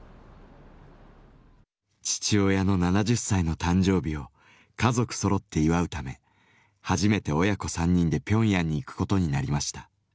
父親の７０歳の誕生日を家族そろって祝うため初めて親子３人でピョンヤンに行くことになりました。